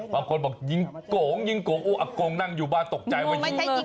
บางคนบอกยิงโก๋งยิงโก๋งอุ๊ยอักโก๋งนั่งอยู่บ้านตกใจว่ายิงอักโก๋ง